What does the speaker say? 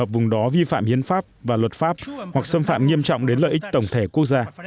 vùng đó vi phạm hiến pháp và luật pháp hoặc xâm phạm nghiêm trọng đến lợi ích tổng thể quốc gia